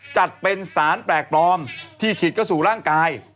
จัดเป็นสารแปลกปลอมที่ฉีดเข้าสู่ร่างกาย